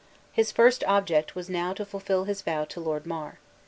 His first object was to fulfill his vow to Lord Mar.